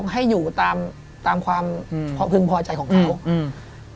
๒ให้อยู่ตามความพึงพอใจของเขา